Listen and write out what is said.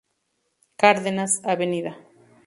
Cárdenas, Av.